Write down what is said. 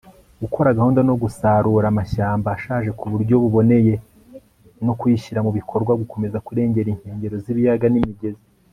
gukora gahunda yo gusarura amashyamba ashaje ku buryo buboneye no kuyishyira mu bikorwa gukomeza kurengera inkengero z'ibiyaga n'imigezi